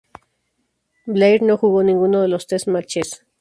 Blair no jugó ninguno de los test matches.